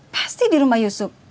pasti di rumah yusuf